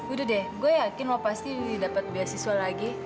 udah deh gue yakin mau pasti dapat beasiswa lagi